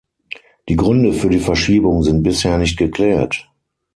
Die Gründe für die Verschiebung sind bisher nicht geklärt.